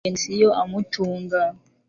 Amareshya mugeni si yo amutunga